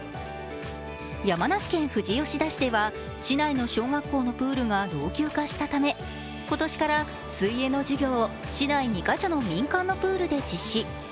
山梨県富士吉田市では、市内の小学校のプールが老朽化したため、今年から水泳の授業を市内２か所の民間のプールで実施。